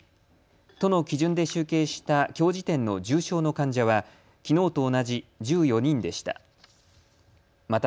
都の基準で集計したきょう時点の重症の患者はきのうと同じ１４人でした。